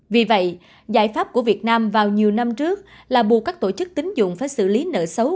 vì vậy giải pháp của việt nam vào nhiều năm trước là buộc các tổ chức tính dụng phải xử lý nợ xấu